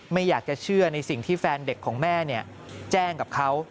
ไม่อยากจะเชื่อในสิ่งที่แฟนเด็กของแม่แจ้งกับเขา